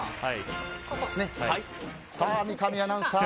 三上アナウンサー